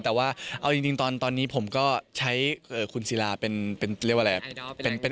แต่ว่าเอาจริงตอนนี้ผมก็ใช้คุณศิลาเป็นเรียกว่าอะไร